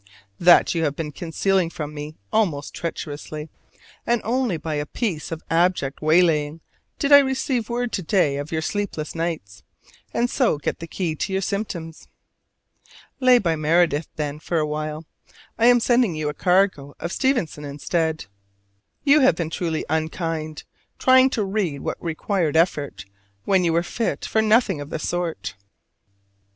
That you have been concealing from me almost treacherously: and only by a piece of abject waylaying did I receive word to day of your sleepless nights, and so get the key to your symptoms. Lay by Meredith, then, for a while: I am sending you a cargo of Stevenson instead. You have been truly unkind, trying to read what required effort, when you were fit for nothing of the sort.